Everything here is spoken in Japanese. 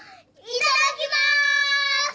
いただきます。